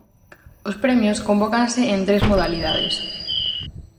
Os premios convócanse en tres modalidades.